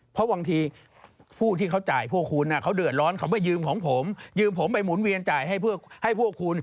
เพราะบางทีผู้ที่เขาจ่ายพวกคุณเขาเดือดร้อนคำว่ายืมของผมยืมผมไปหมุนเวียนจ่ายให้พวกคุณ